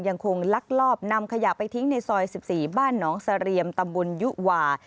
ลักลอบนำขยะไปทิ้งในซอย๑๔บ้านหนองเสรียมตำบลยุหวา